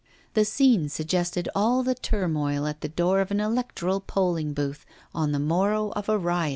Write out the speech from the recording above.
The scene suggested all the turmoil at the door of an electoral polling booth on the morrow of a riot.